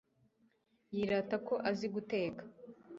Yirata ko azi guteka